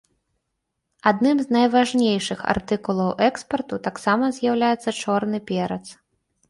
Адным з найважнейшых артыкулаў экспарту таксама з'яўляецца чорны перац.